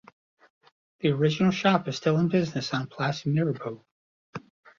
The original shop is still in business on Place Mirabeau.